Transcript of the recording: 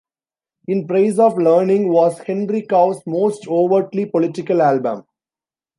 "In Praise of Learning" was Henry Cow's most overtly political album.